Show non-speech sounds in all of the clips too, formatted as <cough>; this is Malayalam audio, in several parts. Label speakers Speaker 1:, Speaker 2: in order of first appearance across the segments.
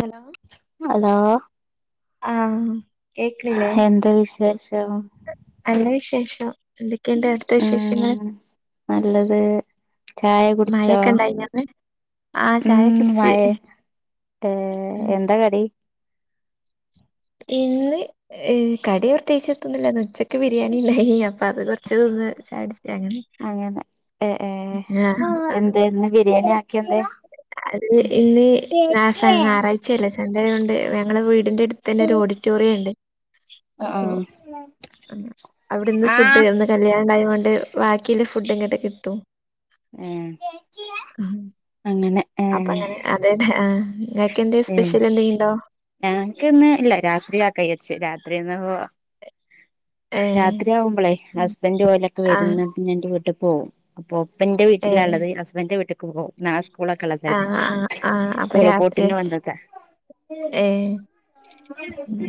Speaker 1: ഹെലോ
Speaker 2: ഹലോ
Speaker 1: ആഹ് കേക്ക്ണില്ലേ
Speaker 2: എന്താ വിശേഷം?
Speaker 1: നല്ല വിശേഷം എന്തൊക്കെയ്ണ്ട് അവ്ട്ത്തെ വിശേഷങ്ങള്
Speaker 2: ഉം നല്ലത് ചായ കുടിച്ചോ
Speaker 1: മഴൊക്കെ ഇണ്ടായിനോ ഇന്ന് ആഹ്
Speaker 2: ഉം
Speaker 1: ചായ കുടിച്ച്
Speaker 2: മയെ ടേ
Speaker 1: ഉം
Speaker 2: എന്താ കടി
Speaker 1: ഇന്ന് ഏ കടി പ്രത്യകിച്ചെത്തുന്നില്ലാ ന്ന്ഉച്ചക്ക് ബിരിയാണിണ്ടായി അപ്പൊ അത് കൊറച്ച് തിന്ന് ചായടിച്ച് അങ്ങനെ
Speaker 2: അങ്ങനെ എ ഏ
Speaker 1: ആഹ് ആഹ്
Speaker 2: എന്തേന്ന് ബിരിയാണി ആക്കിയെന്തേ
Speaker 1: അത് ഇന്ന് <unintelligible> ഞറാഴ്ചയല്ലേ സണ്ടേ ആയോണ്ട് വേ ഞങ്ങളെ വീടിന്റെ അടുത്ത് തന്നെ ഒരു ഓഡിറ്റോറിയണ്ട് അപ്പൊ
Speaker 2: ആഹ്
Speaker 1: അവിടെന്ന്
Speaker 2: ആഹ്
Speaker 1: ഫുഡ് തന്ന് കല്യാണണ്ടായൊണ്ട് വാക്കില്ല ഫുഡ് ഇങ്ങട്ട് കിട്ടും
Speaker 2: ഏഹ് അങ്ങനെ ഏഹ്
Speaker 1: അപ്പൊങ്ങനെ അതെന്നെ ആഹ് ഇങ്ങക്കെന്തേ സ്പെഷ്യൽ എന്തങ്കിണ്ടോ
Speaker 2: ഞങ്ങക്ക്ന്ന് ഇല്ല രാത്രിയാക്കചാരിച് രാത്രിന്ന്
Speaker 1: ഏ
Speaker 2: രാത്രിയാവുമ്പേളെ ഹസ്ബൻഡ് ഓലൊക്കെ
Speaker 1: ആ
Speaker 2: വരുന്ന് പിന്നെ ഇന്റെ വീട്ട്പോവും ഇപ്പൊ ഇന്റെ
Speaker 1: ഏ
Speaker 2: വീട്ടിലാള്ളത് ഹസ്ബന്റെ വീട്ട് ക്ക് പോവും നാളെ
Speaker 1: ആ
Speaker 2: സ്കൂളൊക്കെള്ളതല്ലേ
Speaker 1: ആ ആ
Speaker 2: സ്കൂള് പൂട്ടിന്‌വന്നതാ
Speaker 1: ഏഹ്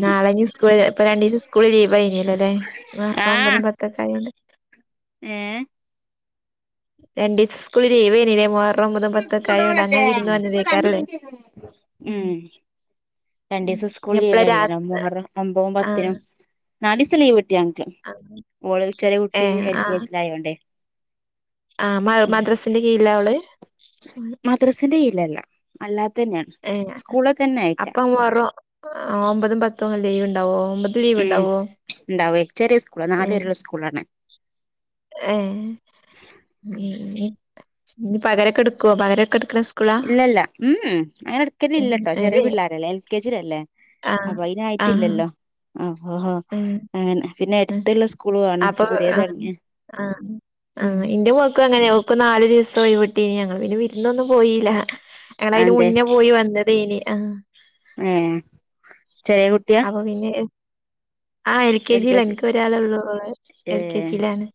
Speaker 1: നാളെ ഇഞ്ഞ് സ് കൂൾ ഇപ്പ രണ്ടീസം സ്കൂള് ലീവ് ആയിനല്ലല്ലേ മുഹറം ഒമ്പതും
Speaker 2: ആഹ്
Speaker 1: പത്തൊക്കെ ആയോണ്ട്
Speaker 2: ഏഹ്
Speaker 1: രണ്ടീസ സ്കൂള് ലിവേനിലേ മുഹറം ഒമ്പതും
Speaker 2: <unintelligible>
Speaker 1: പത്തൊക്കെ ആയോണ്ട് അങ്ങനെ
Speaker 2: ഉം
Speaker 1: വിരുന്ന് വന്നതേക്കാരല്ലേ
Speaker 2: ഉം
Speaker 1: ഉം
Speaker 2: രണ്ടീസം സ്കൂൾ
Speaker 1: ഇനി എപ്പളാ
Speaker 2: ലീവലേനൊ
Speaker 1: രാത്
Speaker 2: മുഹറം ഒമ്പതും
Speaker 1: ആ
Speaker 2: പത്തിനും നാലീസം ലീവിട്ടി ഞങ്ങക്ക്
Speaker 1: ആ
Speaker 2: ഓള് ചെറിയ
Speaker 1: ഏ
Speaker 2: കുട്ടി എൽ കെ ജി ലായോണ്ടേ
Speaker 1: ആഹ് മ മദ്രാസിന്റെ കീഴില ഓള്
Speaker 2: മദ്രസിന്റെ കിഴിലല്ല അല്ലാതെന്നേണ്
Speaker 1: ഏ
Speaker 2: സ്കൂള് തന്നെ ആയിറ്റാ
Speaker 1: അപ്പൊ മുഹറം ആഹ് ഒമ്പതും പത്തും ലീവ്ണ്ടാവോ ഒമ്പത
Speaker 2: ഉം ഉണ്ടാവേ ചെറിയ സ്കൂളാ
Speaker 1: ഏ
Speaker 2: നാല് വരേള്ള സ്കൂളാണ്
Speaker 1: ഏ ഇഞ് പകരൊക്കെ ഇടുക്കൊ പകരൊക്കെ ഇട്ക്ക്ണ സ്
Speaker 2: ഇല്ലല്ല മ് മ് അങ്ങനെ ഇട്ക്കലില്ലട്ടോ ചെറിയ പിള്ളാരല്ലേ എൽ കെ ജിലല്ലേ അപ്പ അയിനായിറ്റില്ലല്ലോ ആഹ് അപ്പോ
Speaker 1: ഉം,
Speaker 2: അങ്ങനെ പിന്നെ
Speaker 1: ഉം.
Speaker 2: എട്ത്ത്ള്ള സ്കൂളൂആണ് ഇപ്പൊ പുതിയെ തൊട്ങ്ങിയെ
Speaker 1: ആഹ് ആഹ് ഇന്റെ മോക്കും അങ്ങനെആവും ക്കു നാല് ദിവസം ഒയിവിട്ടീനിം ഞങ്ങള് പിന്നെ വിര്ന്നൊന്നും പോയില്ല ഞങ്ങളയിന്റെ
Speaker 2: അതെന്തേ
Speaker 1: മുന്നെ പോയി വന്ന് തെനി ആഹ്
Speaker 2: ഏ ചെറിയ കുട്ടിയാ
Speaker 1: അപ്പൊ പിന്നെ എ ആ എൽ കെ ജി ലാ എനിക്ക് ഒരാള് ള്ളു എൽ കെ
Speaker 2: ഏ
Speaker 1: ജിലാണ്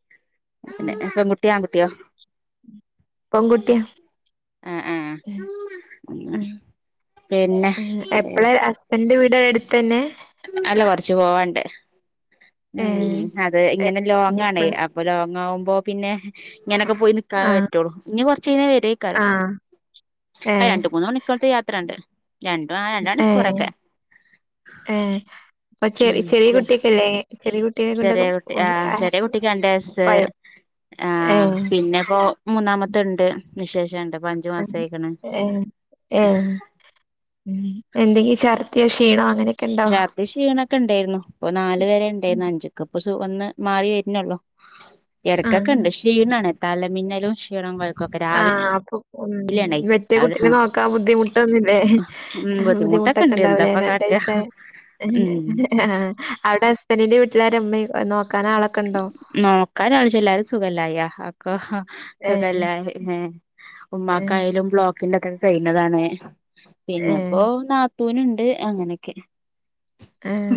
Speaker 2: കുട്ടി ആണ് കുട്ട്യോ
Speaker 1: പെങ്കുട്ട്യാ
Speaker 2: ആഹ്ആഹ് ഉ
Speaker 1: ഉ എപ്പളാഹസ്ബന്റെ വീട് അടുത്ത് തന്നെ
Speaker 2: അല്ല കൊറച്ച്പോവാണ്ട്
Speaker 1: ഏ
Speaker 2: ഉം അതെ ഇങ്ങനെ
Speaker 1: എപ്പ
Speaker 2: ലോങ്ങാണേ അപ്പ് അപ്പൊ ലോങ്ങകുമ്പോ പിന്നെ ഇങ്ങനെയൊക്കെ പോയി നിക്കാ
Speaker 1: ആ
Speaker 2: പറ്റുള്ളൂ ഇനി കൊറ്ച്ച യിഞ്ഞാ വരെ
Speaker 1: ആ
Speaker 2: കാരം
Speaker 1: ഏ
Speaker 2: രണ്ട് മൂന്ന മണിക്കൂറത്തെയാത്രണ്ട് രണ്ട
Speaker 1: ഏ ഏ അപ്പ ചെ
Speaker 2: ഉം
Speaker 1: ചെറിയ കുട്ടിക്കെല്ലേ ചെറിയ കുട്ടിയെ
Speaker 2: ചെറിയ
Speaker 1: കൊണ്ടൊക്കെ
Speaker 2: കുട്ടി ആഹ്ചെറിയ കുട്ടിക്ക് രണ്ട് വയസ്
Speaker 1: കൊയോ
Speaker 2: ആ
Speaker 1: ഏ
Speaker 2: ഹ് പിന്നെപ്പോ മൂന്നാമത്തെണ്ട് വിശേഷണ്ട് ഇപ്പ അഞ്ചു
Speaker 1: ഉ
Speaker 2: മാസായിക്ക്ണ്
Speaker 1: ഏ ഏ ഉ എന്തെങ്കി ചർദ്യോ ക്ഷീണോ അങ്ങനെക്കെണ്ടോ
Speaker 2: ദി ക്ഷീണൊക്കെ ഇണ്ടായിരുന്നു ഇപ്പൊ നാല് വരെ ഇണ്ടായിരുന്നു അഞ്ചക്കെ ഇപ്പൊ ഒന്ന് മാറി വര്ണോളു
Speaker 1: ആ
Speaker 2: എടക്കൊക്കെണ്ട് ക്ഷീണാണ് തലമിന്നലും ക്ഷീണ കൊയക്ക്
Speaker 1: ആഹ്അപ്പൊ ഉം മെറ്റേ
Speaker 2: രാവിലെ
Speaker 1: കുട്ടിനെ നോക്കാൻ ബുദ്ധിമുട്ടൊന്നുല്ലേ
Speaker 2: ഉം
Speaker 1: ആ ബുദ്ധിമുട്ടൊക്കെ
Speaker 2: ഉണ്ട്
Speaker 1: ഉണ്ടാവുലേ
Speaker 2: എന്താപ്പ കാട്ടാ
Speaker 1: രണ്ടയ്സ് ആയ
Speaker 2: ഉം
Speaker 1: ആ അവിടെ ബന്റ്റിന്റെ വീട്ടിലാരാഉമ്മീം നോക്കാൻ ആളൊക്കെ ഉണ്ടോ
Speaker 2: നോക്കാൻ <unintelligible> എല്ലാരും സുഖല്ലായ ക്കെ
Speaker 1: ഏ
Speaker 2: സുഖല്ലായി ഹെ
Speaker 1: ഏ
Speaker 2: ഉമ്മാക്കായാലും ബ്ലോക്ക് ക്കിന്റെ തോക്കെ കഴിന്നതാണ്
Speaker 1: ഏ
Speaker 2: പിന്നെപ്പോ നാത്തൂനുണ്ട് അങ്ങനെയൊക്കെ
Speaker 1: അഹ്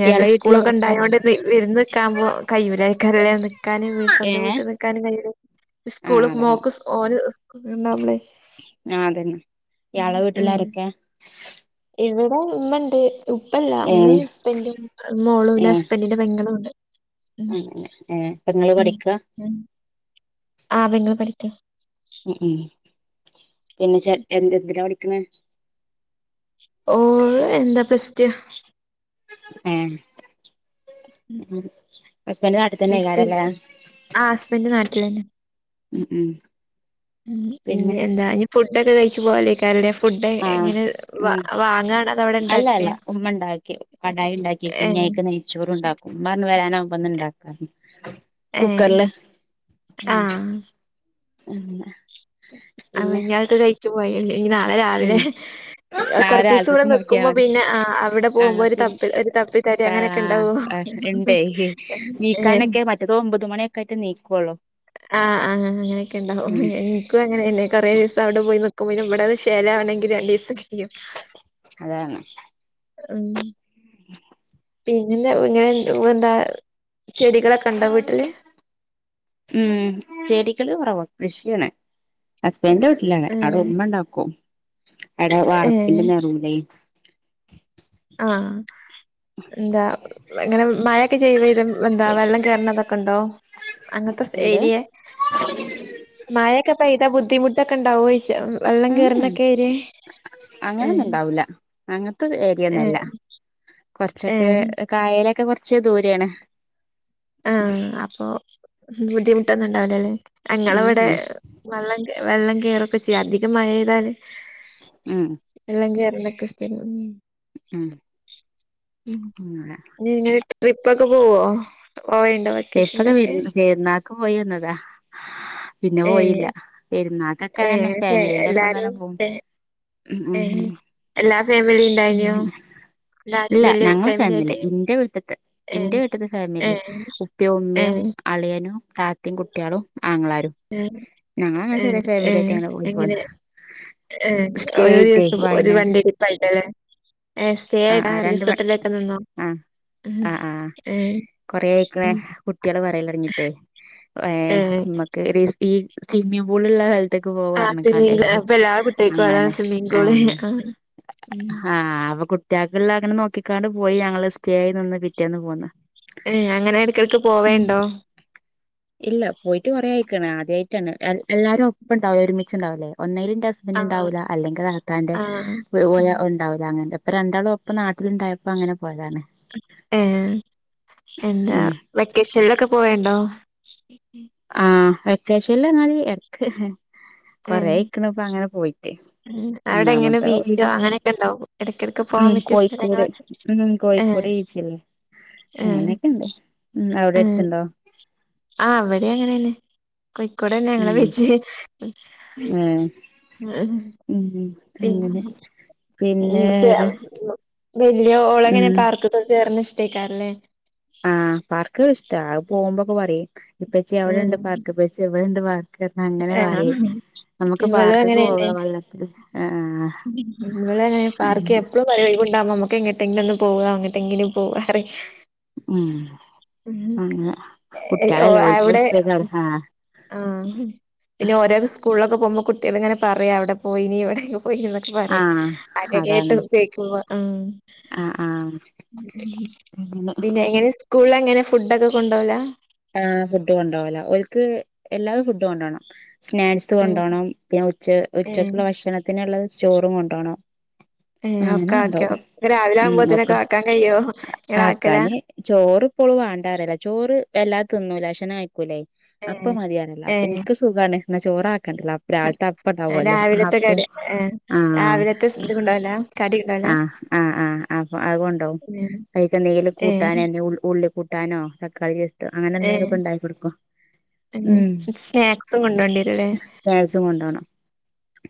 Speaker 1: ഞാൻ
Speaker 2: ഇയാളെ
Speaker 1: സ്കൂളൊക്കെ
Speaker 2: വീട്ടിലാരൊക്കെ
Speaker 1: ഇണ്ടായോണ്ട് വിരന്ന് നിക്കാമ്പോ കൈയൂലകാരം ല്ലെനിക്കാൻ
Speaker 2: ഏ
Speaker 1: സ്വന്തം വീട്ടിൽ നിക്കാനും കയൂല
Speaker 2: ആ
Speaker 1: സ്കൂള്
Speaker 2: അതാണ്
Speaker 1: മോക്ക് ഒന് സ്കൂൾ ഉണ്ടാവുമ്പൾ
Speaker 2: ആഹാ അതന്നെ ഇയാളെ
Speaker 1: മ് ഉം
Speaker 2: വീട്ടിലാരൊക്കെ
Speaker 1: ഇവിടെ ഇമ്മണ്ട് ഉപ്പല്ല
Speaker 2: ഏ
Speaker 1: ഉമ്മയും ഹസ്ബന്റും
Speaker 2: ഏ
Speaker 1: മോളുംന്റെ ഹസ്ബന്ഡന്റെ പെങ്ങളും ഉണ്ട് മ്
Speaker 2: അങ്ങനെ ഏ പെങ്ങള് പഠിക്ക
Speaker 1: മ് മ് ആ പെങ്ങൾ പഠിക്കണ്
Speaker 2: ഹ് ഉം പിന്നെ ചെക്കന്റെ എന്തെത്തിനാ പഠിക്കുന്നത്
Speaker 1: ഓൾ എന്താ പ്ലാസ്റ്റു
Speaker 2: ഏ ഹസ്ബൻഡ് നാട്ടിൽ
Speaker 1: പിന്നെ
Speaker 2: തന്നെകാരല്ലേ
Speaker 1: ആ ഹസ്ബൻഡ്
Speaker 2: മ് മ്
Speaker 1: ഉ ഇനി എന്താ ഇനി ഫുഡൊക്കെ കഴിച്ചു പോവാലെകാരം ലെ ഫുഡ്
Speaker 2: ആഹ്
Speaker 1: എങ്ങനെ
Speaker 2: ഉം
Speaker 1: വാങ്ങാണ അതവടെ
Speaker 2: അല്ല
Speaker 1: ഇണ്ടാക്കെ
Speaker 2: അല്ല ഉമ്മ
Speaker 1: ഹെ
Speaker 2: ചോറുംണ്ടാക്കും ഉമ്മന്ന് വരാനാവകുമന്ന ഉണ്ടാക്കാന്
Speaker 1: ഏ
Speaker 2: കുക്കറില് ഉം
Speaker 1: ആഹ്
Speaker 2: അങ്ങനെ
Speaker 1: <unintelligible>
Speaker 2: പിന്നെ
Speaker 1: <unintelligible> നാളെ രാവിലെ
Speaker 2: ഉം
Speaker 1: അഹ്
Speaker 2: നാളെ
Speaker 1: കുറച്ച ദിവസം ഇവിടെ
Speaker 2: രാവിൽക്കക്ക് നോക്കിയാ
Speaker 1: നിക്കുമ്പോ
Speaker 2: മതി
Speaker 1: പിന്നെ ആ അവിടെ പോകുമ്പോ
Speaker 2: ആഹ്
Speaker 1: ഒരു ത
Speaker 2: പിൻ
Speaker 1: ഒരു തപ്പിത്തടി
Speaker 2: താ
Speaker 1: അങ്ങനെയൊക്കെ ണ്ടാവോ
Speaker 2: ആഹ് ഇണ്ടേ
Speaker 1: ഹെ
Speaker 2: <inaudible> നീകൊള്ളു
Speaker 1: ആ ആ അങ്ങനെക്കെണ്ടാവും ഇൻക്കും അങ്ങനെന്നെ കൊറേ ദിവസം അവടെ പോയി നിക്കുമ്പോ പിന്നെ ഇവടെ ചെലാ ആണെങ്കി രണ്ടീസം കയ്യും
Speaker 2: അതാണ്
Speaker 1: ഉം
Speaker 2: <unintelligible>
Speaker 1: പിന്നെ എന്താ ചെടികളക്കണ്ടോ വീട്ടില്
Speaker 2: ഉം ചെടികള് കൊറവാ കൃഷിയാണ് ഹസ്ബൻന്റെ വീട്ടിലാണ്
Speaker 1: ഏഹ്
Speaker 2: അവടെ ഉമ്മണ്ടാക്കും അവടെ
Speaker 1: ഏഹ്
Speaker 2: വാർപ്പിന്റെ നെറുലെ
Speaker 1: ആ ന്താ എങ്ങനെ മയെക്കെ ചെയ്യ വരും എന്താ വെള്ളം കേറ്ണതൊക്കെ ഇണ്ടോ അങ്ങൻ ത്തെ
Speaker 2: എന്ത്
Speaker 1: ഏരിയെ മഴക്കെ പെയ്താ ബുദ്ധിമുട്ടൊക്കെ ഇണ്ടാവോയ്ചാ വള്ളം
Speaker 2: ഉം
Speaker 1: കേർണക്കെ ഏരിയെ ഉം
Speaker 2: അങ്ങത്തെ ഏരിയൊന്നല്ല കൊർച്ചൊക്കെ
Speaker 1: ഏഹ്
Speaker 2: കായലൊക്കെ കൊർച്ച് ദൂരെണ്
Speaker 1: ആ അപ്പൊ ബുദ്ധിമുട്ടൊന്നും ഇണ്ടാവ് ല ലെ അങ്ങളവടെ
Speaker 2: ഉം
Speaker 1: വള്ളം വെള്ളം കേറൊക്കെ ചെയ്യും അധികം മഴെയ്താല്
Speaker 2: ഉം
Speaker 1: വെള്ളം കെർലൊക്കെ
Speaker 2: ഉം അങ്ങനെ
Speaker 1: <unintelligible> ട്രിപ്പക്ക പോവോ പോവേണ്ടോ
Speaker 2: ട്രിപ്പക്കെ
Speaker 1: വെക്കേഷനിലൊക്കെ
Speaker 2: പെര് പെര്ന്നാക്ക് പോയിവന്നതാ പിന്നെ പോയീല്ല പെര്ന്നാ
Speaker 1: ഏ ഏ എല്ലാരും പെ
Speaker 2: ഉം ഉം
Speaker 1: ഏ എല്ലാ ഫാമിലിം ഇണ്ടായിന്യോ
Speaker 2: ഉം ഇല്ല ഞങ്ങള ഫാമിലി ഇന്റെ വീട്ട്ത്തെ ഇന്റെ
Speaker 1: ഏഹ്
Speaker 2: വീട്ട്ത്തെ ഫാമിലി
Speaker 1: ഏഹ്
Speaker 2: ഉപ്പി ഉമ്മീം
Speaker 1: ഏഹ്
Speaker 2: അളിയനും താത്തി കുട്ടിയളും ആങ്ങളാരും
Speaker 1: ഏഹ്
Speaker 2: ഞങ്ങളങ്ങനെ
Speaker 1: ഏഹ്
Speaker 2: ചെറിയ ഫാമിലി ആയിട്ട് അങ്ങനെ പോയി പൊന്ന്
Speaker 1: ഏ ഒരു ദിവസം ഒരു വണ്ടി ട്രിപ്പായിട്ട് ലെ ഏ സ്റ്റേ
Speaker 2: ആ
Speaker 1: <unintelligible>
Speaker 2: ആ രണ്ട് മ
Speaker 1: റിസോട്ടിലൊക്കെ നിന്നോ
Speaker 2: ആ
Speaker 1: ഏ
Speaker 2: കുട്ടികള് പറയല് തൊട്ങ്ങിട്ടേ ഏ
Speaker 1: ഏഹ്
Speaker 2: മ്മക്ക് <unintelligible> സ്വിമ്മിംപൂള് ഇള്ള സ്ഥൽത്ത്ക്ക്
Speaker 1: ആഹ്
Speaker 2: പോവാർഞ്ക്കാണ്ടെ
Speaker 1: സ്വിമ്മിംഗ് അപ്പൊ എല്ലാ കുട്ടികൾക്കും അതാണ്
Speaker 2: അങ്ങനെ
Speaker 1: സ്വിമ്മിംഗ്
Speaker 2: ആ
Speaker 1: പൂള് ആഹ് ഉം
Speaker 2: ആ അപ്പ കുട്ടിയെക്ക്ള്ള അങ്ങനെ നോക്കിക്കാണ്ട് പോയി ഞങ്ങള് സ്റ്റേ നിന്ന് പിറ്റേന്ന് പോന്ന്
Speaker 1: ഏ അങ്ങനെ എട്ക്കട്ക്ക് പോവേണ്ടോ
Speaker 2: പിക് ഇല്ല പോയിട്ട് കൊറേ ആയിക്ക്ണ് ആദ്യായിട്ടാണ് എ എല്ലാരും ഒപ്പം ഇണ്ടാവൂല ഒരുമിച്ണ്ടാവൂലെ ഒന്നേല് ഇന്റെ ഹസ് സ്ബെന്റ്
Speaker 1: ആഹ്
Speaker 2: ഇണ്ടാവൂല അല്ലെങ്കി താത്താന്റെ
Speaker 1: ആഹ്
Speaker 2: <unintelligible> ഇണ്ടാവൂല അങ്ങനെപ്പ രണ്ടാളോപ്പം നാട്ടില്ണ്ടായപ്പ അങ്ങനെ പോയതാണ്
Speaker 1: ഏ എന്താ
Speaker 2: ഉം
Speaker 1: വെക്കേഷൻലൊക്കെ പോവെണ്ടോ
Speaker 2: ആ വെക്കേഷൻ ല് പർഞാല് എട്ക്ക് കൊറേ
Speaker 1: ഏഹ്
Speaker 2: ആയിക്ക്ണ് ഇപ്പ അങ്ങനെ പോയി
Speaker 1: ഉം അവടെ എങ്ങനെ ബീച്ചോ അങ്ങനെക്കെ ഇണ്ടോ
Speaker 2: ഉം കോഴിക്കോട് ഉം
Speaker 1: ഏഹ്
Speaker 2: കോഴിക്കോട് ബീച്ചില്ലേ
Speaker 1: ഏഹ്
Speaker 2: അങ്ങനെക്കെ ഇണ്ട് ഉം അവടെ എട്ത്ത്ണ്ടോ
Speaker 1: ആ ഇവടിം അങ്ങനെന്നെ കോഴിക്കോട് തന്നെ ഞങ്ങളെ
Speaker 2: ഉം
Speaker 1: ബീച്ച്
Speaker 2: ഏഹ് ഉം അങ്ങനെ
Speaker 1: പിന്നെ
Speaker 2: പിന്നെ
Speaker 1: ഉം ചെ
Speaker 2: വേറെ
Speaker 1: വല്ല്യോളങ്ങനെ
Speaker 2: ഉം
Speaker 1: പാർക്ക്ക്കൊക്കെ കേറ്ണെ ഇഷ്ടയ്ക്കാര ലെ
Speaker 2: ആ പാർക്ക് ഇഷ്ട അത് പോവുമ്പോക്കെ പറിം ഇപ്പച്ചി അവ്ടെണ്ട്
Speaker 1: ഉം
Speaker 2: പാർക്ക് ഇപ്പച്ചി ഇവടെണ്ട് പാർ ക്ക് അങ്ങനെ
Speaker 1: ആഹ്
Speaker 2: പറിം നമ്മുക്ക്
Speaker 1: ഇവളും
Speaker 2: പാർക്ക്ക്ക്
Speaker 1: അങ്ങനെന്നെ
Speaker 2: പോവ വള്ളത്തില് ആ
Speaker 1: ഇവളങ്ങനെ പാർക്ക് എപ്പളും പറിം ഒഴിവ് ഇണ്ടാവ്മ്പം നമുക്ക് എങ്ങട്ടെങ്കിലും ഒന്ന് പോവാ എങ്ങട്ടെങ്കിലും പോവ പറിം
Speaker 2: ഉം
Speaker 1: ഉം
Speaker 2: അങ്ങനെ
Speaker 1: എ
Speaker 2: കുട്ടികളല്ലേ ഓൽക്ക്
Speaker 1: എവിടെ
Speaker 2: ഇഷ്ടേക്കാരം ആഹ്
Speaker 1: ആഹ് പിന്നെ ഓരോരോ സ്കൂളൊക്കെ പോകുമ്പോ കുട്ടികള് ഇങ്ങനെ പറയാ അവിടെ പോയിനി ഇവിടെയക്കെ പോയിന്ന് പറയ്
Speaker 2: ആഹ്
Speaker 1: അത് ഒക്കെ കെട്ടു
Speaker 2: അതാണ്
Speaker 1: ഉപയോഗിക്കുമ്പാ ആഹ്-
Speaker 2: ആഹ് ആഹ് അങ്ങനെ
Speaker 1: പിന്നെ എങ്ങനെ സ്കൂളില് എങ്ങനെ ഫുഡ് ഒക്കെ കൊണ്ട് പോവ്‌ല
Speaker 2: ആഹ് ഫുഡ് കൊണ്ട് പോവ്‌ല ഓ ല്ക്ക് എല്ലാതെ ഫുഡ് കൊണ്ടോകണം സ്നാക്സ്
Speaker 1: ഏഹ്
Speaker 2: കൊണ്ടോണം പിന്നെ ഉച്ച
Speaker 1: ഏഹ്
Speaker 2: ഉച്ചക്കുള്ള ഭക്ഷണത്തിനുള്ള ചോറും കൊണ്ടുപോണം
Speaker 1: ഏ
Speaker 2: അങ്ങനെ
Speaker 1: ഒക്കെ ആക്കിയോ
Speaker 2: കൊണ്ടുപോകും
Speaker 1: രാവിലെ
Speaker 2: ഉം നോക്ക്
Speaker 1: ആവുമ്പോത്തിനൊക്കെ ആക്കാൻ കഴിയോ ഇങ്ങളാക്കലാ
Speaker 2: ആക്കാന് ചോറിപ്പോളും വാണ്ടാന്ന്പറല്ല ചോറ് എല്ലാ തിന്നൂല ഭക്ഷണം കയിക്കൂല്ലേ
Speaker 1: ഏ
Speaker 2: അപ്പൊ മതിയാനല്ല
Speaker 1: ഏ
Speaker 2: അപ്പ എനിക്ക് സുഖാണ് പിന്നെ ചോറ് ആക്കണ്ടല്ലോ രാവിലത്തെ അപ്പ ഒണ്ടാവല്ലോ ആ
Speaker 1: രാവിലത്തെ
Speaker 2: അപ്പം
Speaker 1: കടി ഏ
Speaker 2: ആഹ്
Speaker 1: രാവിലത്തെ ഇത് കൊണ്ടോവലാ കടി കൊണ്ടോവലാ
Speaker 2: ആഹ് ആഹ് ആഹ് അപ്പൊ അതുകൊണ്ടൊവും
Speaker 1: ഉം.
Speaker 2: വൈകിട്ട് എന്തേലും
Speaker 1: ഏ
Speaker 2: കൂട്ടാനരിഞ്ഞ ഉള്ളി - കൂട്ടാനോ തക്കാളി <unintelligible> അങ്ങനെ
Speaker 1: ഏ
Speaker 2: എന്തേലുംയൊക്കെ ഒണ്ടാക്കി കൊടുക്കോ
Speaker 1: ഏ
Speaker 2: ഉം
Speaker 1: സ്നാക്സും കൊണ്ടോണ്ടിരുല്ലേ
Speaker 2: പായസം കൊണ്ടോണം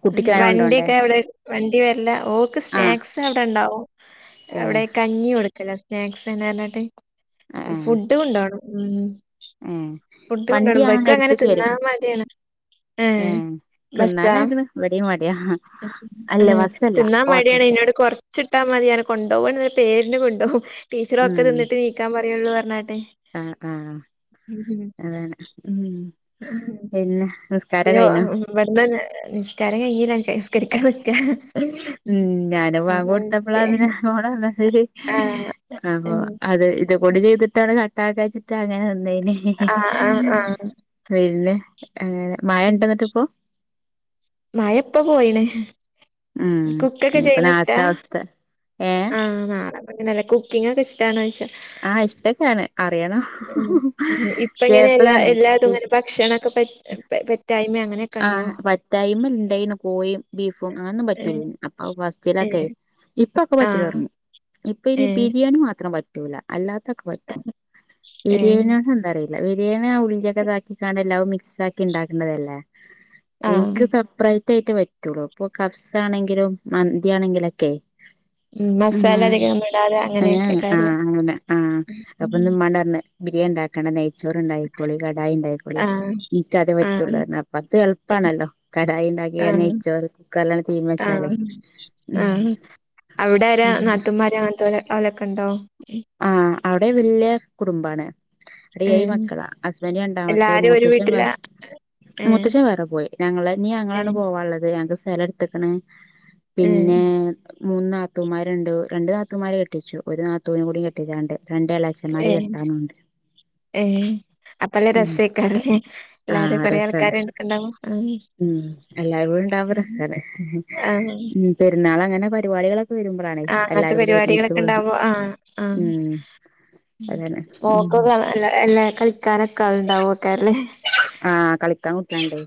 Speaker 2: കുട്ടിക്കങ്ങനെ കൊണ്ടോണ്ടേ
Speaker 1: വണ്ടിയ്ക്കെ അവിടെ വണ്ടി വരില്ല ഓക്ക്
Speaker 2: ആഹ്
Speaker 1: സ്നാക്സ് അവിടെ ഒണ്ടാവും
Speaker 2: ഏ
Speaker 1: അവിടെ കഞ്ഞി കൊടുക്ക്ല സ്നാക്സ് എന്ന് പറഞ്ഞട്ട്
Speaker 2: ഏഹ്
Speaker 1: ഫുഡ് കൊണ്ടോണം ഉം
Speaker 2: ഏഹ്
Speaker 1: ഫുഡ് കൊണ്ട്
Speaker 2: വണ്ടി
Speaker 1: പോണം
Speaker 2: ഞങ്ങളുടെ
Speaker 1: ഇവക്കും അങ്ങനെ
Speaker 2: അടുത്തേക്ക് വരും
Speaker 1: തിന്നാൻ മടിയാണ് ആഹ്
Speaker 2: ഏഹ്
Speaker 1: ബസ്സ് ആ
Speaker 2: തിന്നാനാക്കണ് ഇവിടെയും മടിയാ ഹ് ഹാ
Speaker 1: തിന്നാ മടിയാണ് എന്നോട് കൊറ- കൊറച്ചിട്ടാ മതിയാര്ന്ന് കൊണ്ടുപോകുന്നത് പേരിന് കൊണ്ട്പോകും ടീച്ചറൊക്കെ
Speaker 2: ഉം
Speaker 1: തിന്നിട്ട് എണീക്കാൻ പറയുള്ളു പറഞ്ഞാട്ടെ
Speaker 2: ആഹ് ആഹ്
Speaker 1: ഉം ഉം
Speaker 2: അതാണ് ഉം പിന്നെ നിസ്കാര കഴിഞ്ഞോ
Speaker 1: മുവാണ്ടാൻ <unintelligible> മാങ്ങ നിസ്കാരം കഴിഞ്ഞരാഴ്ചയ് <unintelligible>
Speaker 2: ഉം ഞാന് വാങ്ക്
Speaker 1: അപ്പൊ
Speaker 2: കൊടുത്തപ്പോളാ അതിന് അവിടെ വന്നത്
Speaker 1: ആഹ്
Speaker 2: അനോ
Speaker 1: ഉം
Speaker 2: അതെ ഇത് ഇത് കൂടി ചെയ്തിട്ടാണ് കട്ടാ <unintelligible> ക്ക വച്ചിട്ടാണ് ഞാന് വന്നേനേ ഹി ഹി ഹി
Speaker 1: ആഹ് ആഹ്
Speaker 2: ഹ്
Speaker 1: ആഹ്
Speaker 2: പിന്നെ മഴ ഒണ്ടോ നിങ്ങക്ക് ഇപ്പോ
Speaker 1: മയ ഇപ്പ പോയിണ്
Speaker 2: ഉം
Speaker 1: കുക്കൊക്കെ
Speaker 2: ഇനിയിപ്പ
Speaker 1: ചെയ്യണ ഇഷ്ടാ
Speaker 2: നാളത്തെ അവസ്ഥ ഏഹ്
Speaker 1: ആഹ് നാടൻ പിന്നെ കുക്ക്- കുക്കിങ് ഒക്കെ ഇഷ്ട്ടയാണോന്ന് ചോദിച്ചേ
Speaker 2: ആഹ് ഇഷ്ടൊക്കെയാണ് അറിയണോ-
Speaker 1: ഉം ഇപ്പ ഇങ്ങനെ എല്ലാ എല്ലാതും
Speaker 2: കു
Speaker 1: അങ്ങനെ ഭക്ഷണൊക്കെ പെറ്റായ്മ അങ്ങനെ-
Speaker 2: ആഹ പറ്റായ്മ ഇണ്ടായിന്ന് കോഴിയും ബീഫും അങ്ങനൊന്നും പറ്റൂല
Speaker 1: ഏഹ്
Speaker 2: അപ്പൊ ഫസ്റ്റിലൊക്കെ
Speaker 1: ഏഹ്
Speaker 2: ഇപ്പൊക്കെ പറ്റൂല
Speaker 1: ആഹ്
Speaker 2: പറഞ്ഞു ഇപ്പൊ ഇനി
Speaker 1: ഏഹ്
Speaker 2: ബിരിയാണി മാത്രം പറ്റ- പറ്റൂല അല്ലാത്തൊക്കെ പറ്റും
Speaker 1: ഏ
Speaker 2: ബിരിയാണിയ എന്താന്ന് അറിയത്തില്ല ബിരിയാണി ആ ഉള്ളിയൊക്കെ ചതച്ചിക്കാണ് എല്ലാവും മിക്സ് ആക്കി ഇണ്ടാക്കണതല്ലേ
Speaker 1: ആഹ്
Speaker 2: എനിക്ക് സപ്രയിറ്റ് ആയിട്ട് പറ്റുള്ളൂ ഇപ്പൊ കബ്സ് ആണെങ്കിലും മന്തിയാണെങ്കിലുംക്കെ ഉം
Speaker 1: മസാല അധികം ഇടാതെ
Speaker 2: ആഹ്
Speaker 1: അങ്ങനെയൊക്കെക്കാരല്ലേ
Speaker 2: അങ്ങനെ ആഹ് അപ്പൊ ഇന്ന് ഉമ്മാനോട് പറഞ്ഞെ ബിരിയാണി ഒണ്ടാക്കേണ്ട നെയ്ച്ചോറ് ഒണ്ടായിക്കോളി കടായി ഒണ്ടായിക്കോളി
Speaker 1: ആഹ്
Speaker 2: എനിക്കതേ പറ്റുള്ളൂ
Speaker 1: ആഹ്
Speaker 2: കേട്ടോ പത്ത് എളുപ്പമാണല്ലോ കടായി ഒണ്ടാക്കി
Speaker 1: ആഹ്
Speaker 2: നെയ്ചോറ് കുക്കറിലാണ് തീൻ വെച്ചാലേ
Speaker 1: ആഹ് ആഹ്
Speaker 2: ഉം
Speaker 1: അവിടെയാരാ നാത്തുൻമാര് അങ്ങനത്തെ ഓലൊക്കെ ഒണ്ടോ
Speaker 2: ആ അവിടെ വല്യ കുടുംബാണ് അവിടെ ഏഴ്
Speaker 1: ഉം
Speaker 2: മക്കളാ ഹസ്ബൻഡ്‌ രണ്ടാമത്തെ
Speaker 1: എല്ലാരും ഒരു
Speaker 2: മൂത്തശം-
Speaker 1: വീട്ടിലാ ഏഹ്
Speaker 2: മുത്തച്ഛൻ വേറെ പോയി ഞങ്ങള് ഇനി ഞങ്ങള് തന്നെയാ
Speaker 1: ഏഹ്
Speaker 2: പോവാനുള്ളത് ഞങ്ങൾക്ക് സ്ഥല- ക്കണ്
Speaker 1: ഏഹ്
Speaker 2: പിന്നെ മൂന്ന് നാത്തൂമാരുണ്ട് രണ്ട് നാത്തൂമാരെ കെട്ടിച്ചു ഒരു നാത്തൂവിനെ കൂടി കെട്ടിക്കാന്ണ്ട് രണ്ടെള അച്ഛൻമാര്
Speaker 1: ഏഹ്
Speaker 2: കെട്ടാനുണ്ട്
Speaker 1: ഏഹ് അപ്പല്ലേ
Speaker 2: ഉം
Speaker 1: രസായിക്കാറല്ലേ എല്ലാരും
Speaker 2: ആഹ്
Speaker 1: കൊറെ
Speaker 2: രസാണ്
Speaker 1: ആൾക്കാരെ എടക്കണ്ടാവും
Speaker 2: ഉം എല്ലാവരും ഉണ്ടാവുമ്പ രസല്ലേ
Speaker 1: ആഹ്
Speaker 2: ഉം പെരുന്നാൾ അങ്ങനെ പരിപാടികള്
Speaker 1: ആഹ് അങ്ങനത്തെ പരിപാടികളൊക്കെ ഉണ്ടാവുമ്പോ ആഹ് ആ
Speaker 2: ഉം അതാണ് ഉം
Speaker 1: ഓക്ക് കൊറേ അല്ല അല്ലേ കളിക്കാനൊക്കെ ആള് ഉണ്ടാവോക്കാരല്ലേ
Speaker 2: ആഹ് കളിക്കാൻ കുട്ടിയാണ്ട്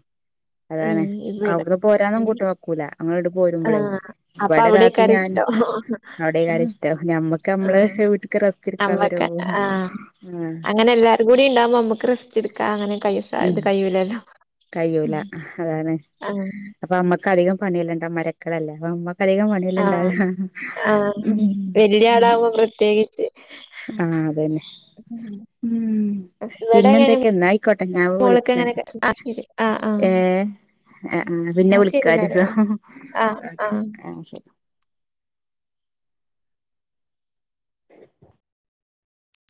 Speaker 1: ഉം
Speaker 2: അതാണ്
Speaker 1: ഇവിടെ
Speaker 2: അവിടുന്ന് പോരാന്നും
Speaker 1: ഉം
Speaker 2: കുട്ടി വെക്കൂല അങ്ങോട് പോരുമ്പോളേ
Speaker 1: ആഹ് അപ്പൊ
Speaker 2: ഇവിടെ ഒരാക്ക്
Speaker 1: അവിടേക്കാരം
Speaker 2: ഞാൻ
Speaker 1: ഇഷ്ടം
Speaker 2: അവിടെ കാര്യം ഇഷ്ടം ഞമ്മക്ക് നമ്മളെ
Speaker 1: ആഹ്
Speaker 2: വീട്ട് ക്ക് റസ്റ്റെടുക്കാൻ വരോ
Speaker 1: നമ്മക്ക്
Speaker 2: ആഹ്
Speaker 1: ഇതു കൂടി ഉണ്ടാകുമ്പോ നമ്മുക്ക് റസ്റ്റ്എടുക്കാം അങ്ങനെ കൈ സാ
Speaker 2: ഉം
Speaker 1: ഇത് കയൂലല്ലോ
Speaker 2: കയ്യൂല അതാണ്. അപ്പ അമ്മക്ക് അധികം പണിയെല്ലാം ഇണ്ടാവും. മരക്കലല്ലേ അപ്പം അമ്മക്കധികം പണി യെല്ലാം
Speaker 1: ആഹ്
Speaker 2: ഇണ്ടാവും
Speaker 1: ആഹ്
Speaker 2: ഉം
Speaker 1: വല്യ ആളാവുമ്പോ പ്രത്യേകിച്ച്
Speaker 2: ആഹ് അതന്നെ
Speaker 1: ഉം
Speaker 2: ഉം
Speaker 1: ഇവിടെ
Speaker 2: പിന്നെന്തൊക്കെ എന്നായിക്കോട്ടെ ഞാൻ വിളിക്കാം
Speaker 1: മോള്ക്കങ്ങന ക ആശീല് ആഹ് ആഹ്
Speaker 2: ഏ ആ ആ പിന്നെ
Speaker 1: ന്നാ
Speaker 2: വിളിക്കാ
Speaker 1: ശരി വരേ
Speaker 2: ഒരീസം
Speaker 1: ആഹ്
Speaker 2: ഓക്കെ
Speaker 1: ആഹ്
Speaker 2: ആ ശരി ഉ <inaudible>